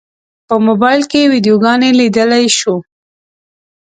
په موبایل کې ویډیوګانې لیدلی شو.